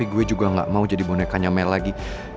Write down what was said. gue juga gak mau jadi bonekanya mel lagi